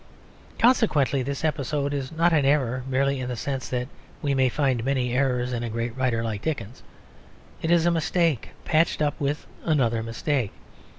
Consequently, this episode is not an error merely in the sense that we may find many errors in a great writer like Dickens; it is a mistake patched up with another mistake.